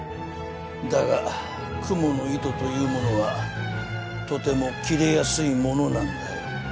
だがクモの糸というものはとても切れやすいものなんだよ。